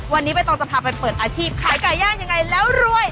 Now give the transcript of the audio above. วันนี้ใบตองจะพาไปเปิดอาชีพขายไก่ย่างยังไงแล้วรวย